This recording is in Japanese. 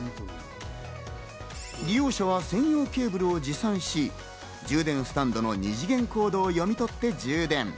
利用者は専用ケーブルを持参し、充電スタンドの二次元コードを読み取って充電。